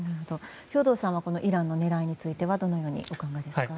兵頭さんはイランの狙いについてはどのようにお考えですか？